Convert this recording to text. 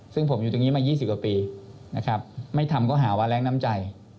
ซึ่งผมอยู่ตรงนี้มา๒๐กว่าปีนะครับไม่ทำก็หาว่าแรงน้ำใจ